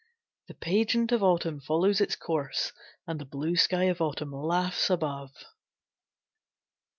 The pageant of Autumn follows its course And the blue sky of Autumn laughs above.